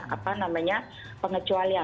apa namanya pengecualian